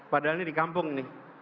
padahal ini di kampung nih